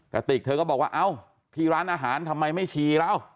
กติกเธอก็บอกว่าพี่ร้านอาหารทำไมไม่ชีแล้ว